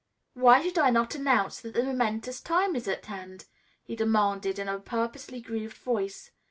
"Why should I not announce that the momentous time is at hand?" he demanded in a purposely grieved voice.